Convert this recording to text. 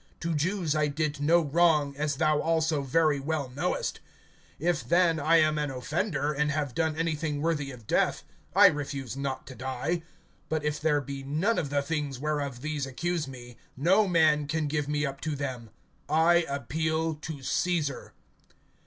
To Jews I did no wrong, as thou also very well knowest[25:10]. (11)If then I am an offender, and have done anything worthy of death, I refuse not to die; but if there be none of the things whereof these accuse me, no man can give me up to them. I appeal to Caesar.